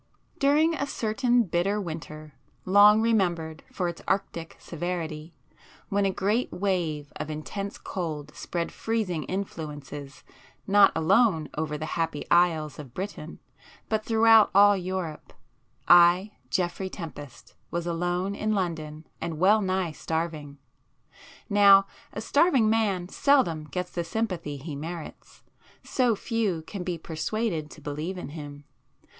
During a certain bitter winter, long remembered for its arctic severity, when a great wave of intense cold spread [p 3] freezing influences not alone over the happy isles of Britain, but throughout all Europe, I, Geoffrey Tempest, was alone in London and well nigh starving. Now a starving man seldom gets the sympathy he merits,—so few can be persuaded to believe in him.